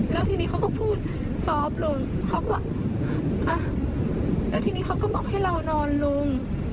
แล้วทีนี้เขาก็พูดซอฟต์ลงเขาก็อ่ะแล้วทีนี้เขาก็บอกให้เรานอนลง